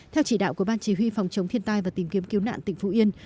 theo chỉ đạo của ban chỉ huy phòng chống thiên tai và tìm kiếm cứu nạn tỉnh phú yên